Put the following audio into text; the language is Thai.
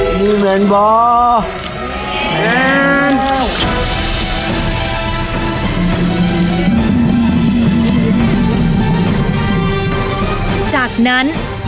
จากนั้นจะเชิญพระอุปคุฎ